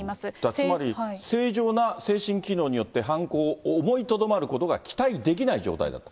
つまり正常な精神機能によって犯行を思いとどまることが期待できない状態だと。